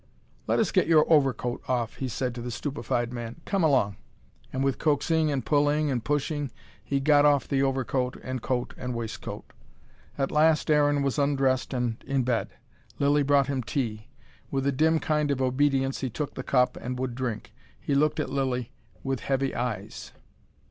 "Let us get your overcoat off," he said to the stupefied man. "Come along." And with coaxing and pulling and pushing he got off the overcoat and coat and waistcoat. At last Aaron was undressed and in bed. Lilly brought him tea. With a dim kind of obedience he took the cup and would drink. He looked at Lilly with heavy eyes.